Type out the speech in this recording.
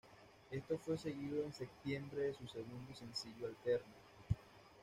Esto fue seguido en septiembre de su segundo sencillo, Alterna.